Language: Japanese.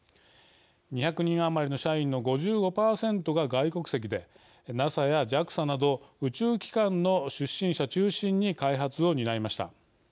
２００人余りの社員の５５％が外国籍でＮＡＳＡやＪＡＸＡなど宇宙機関の出身者中心に開発を担いました。